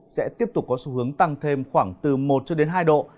sẽ tiếp tục có xu hướng tăng thêm khoảng từ một cho đến hai độ